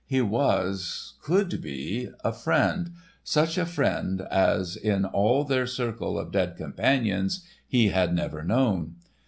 He was—could be—a friend, such a friend as in all their circle of dead companions he had never known.